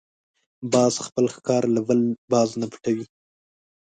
باز خپل ښکار له بل باز نه پټوي